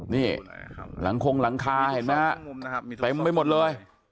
นี่หลังคงหลังคาเห็นไหมฮะเต็มไปหมดเลย